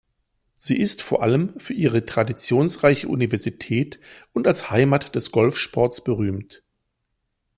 Sie ist vor allem für ihre traditionsreiche Universität und als Heimat des Golfsports berühmt.